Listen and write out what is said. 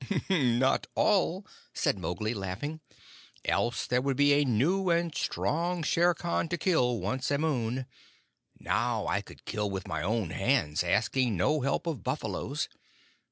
"Not all," said Mowgli, laughing; "else there would be a new and strong Shere Khan to kill once a moon. Now, I could kill with my own hands, asking no help of buffaloes.